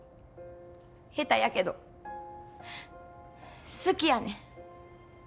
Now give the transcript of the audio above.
下手やけど好きやねん。